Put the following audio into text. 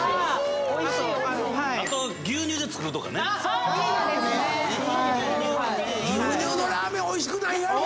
牛乳のラーメンおいしくないやろ。